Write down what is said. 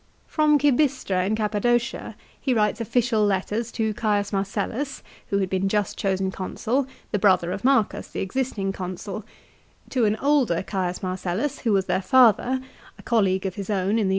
From Cybistra in Cappadocia he writes official letters to Caius Marcellus, who had been just chosen Consul, the brother of Marcus the existing Consul, to an older Caius Marcellus who was their father, a colleague of his own in the 1 Ad AU.